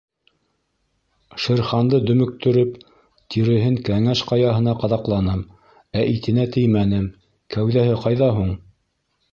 Шер Ханды дөмөктөрөп, тиреһен Кәңәш Ҡаяһына ҡаҙаҡланым, ә итенә теймәнем — кәүҙәһе ҡайҙа һуң?